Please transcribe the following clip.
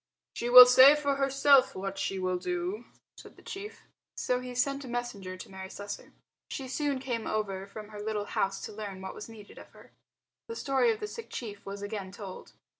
"She will say for herself what she will do," said the chief. So he sent a messenger to Mary Slessor. She soon came over from her little house to learn what was needed of her. The story of the sick chief was again told.